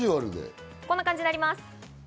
こんな感じになります。